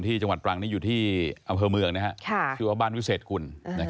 จังหวัดตรังนี้อยู่ที่อำเภอเมืองชื่อว่าบ้านวิเศษกุล